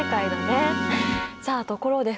さあところで福君。